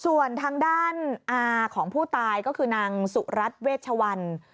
ส่วนทางด้านอาของผู้ตายก็คือนางสุรัตน์เวชวัน